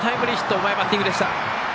うまいバッティングでした。